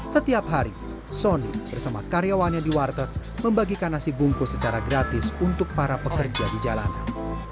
setiap hari sony bersama karyawannya di warteg membagikan nasi bungkus secara gratis untuk para pekerja di jalanan